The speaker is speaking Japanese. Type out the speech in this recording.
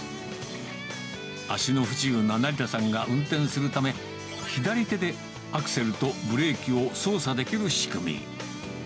足の不自由な成田さんが運転するため、左手でアクセルとブレーキを操作できる仕組み。